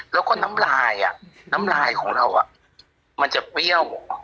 แล้วก็น้ำลายน้ำลายของเรามันจะเปรี้ยว